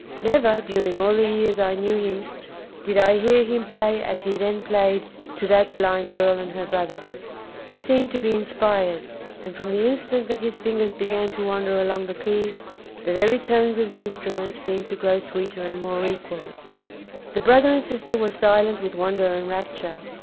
Never, during all the years I knew him, did I hear him play as he then played to that blind girl and her brother. He seemed to be inspired; and, from the instant that his fingers began to wander along the keys, the very tones of the instrument seemed to grow sweeter and more equal. The brother and sister were silent with wonder and rapture.